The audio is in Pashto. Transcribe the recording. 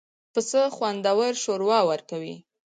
پسه خوندور شوروا ورکوي.